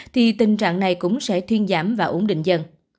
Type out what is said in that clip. thì tình trạng này cũng sẽ thiên giảm và ủng định dần